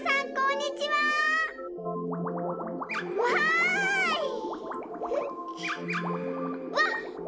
うわっ！